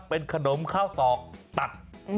เป็นขนมข้าวตอกตัด